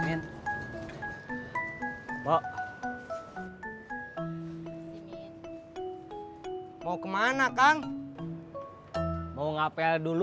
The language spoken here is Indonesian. kita kabad timeframe ini tuh ada